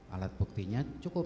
alat buktinya cukup